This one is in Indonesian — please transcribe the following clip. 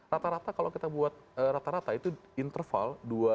rata rata kalau kita buat rata rata itu interval